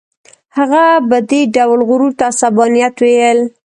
هغه به دې ډول غرور ته عصبانیت ویل.